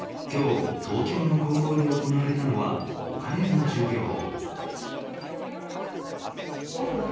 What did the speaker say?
今日東京の高校で行われたのはお金の授業。